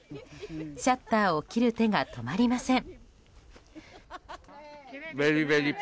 シャッターを切る手が止まりません。